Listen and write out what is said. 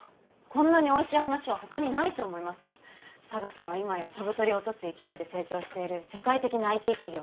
こんなにおいしい話は他にないと思いますＳＡＧＡＳは今や飛ぶ鳥落とす勢いで成長している世界的なＩＴ企業